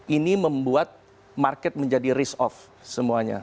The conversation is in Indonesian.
ini membuat market menjadi risk off semuanya